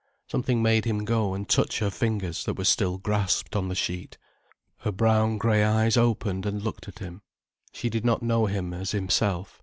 Something made him go and touch her fingers that were still grasped on the sheet. Her brown grey eyes opened and looked at him. She did not know him as himself.